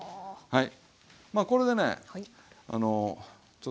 はい。